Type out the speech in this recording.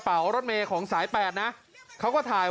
บ้างเลยค่ะบ้างมากมากแบบรอ